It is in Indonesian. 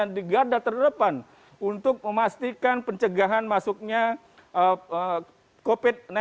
di garda terdepan untuk memastikan pencegahan masuknya covid sembilan belas